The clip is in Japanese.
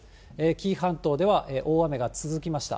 紀伊半島では大雨が続きました。